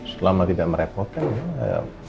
selama tidak merepotkan ya